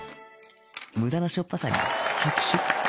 無駄なしょっぱさに拍手